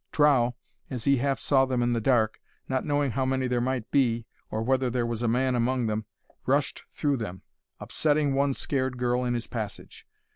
Trow, as he half saw them in the dark, not knowing how many there might be, or whether there was a man among them, rushed through them, upsetting one scared girl in his passage.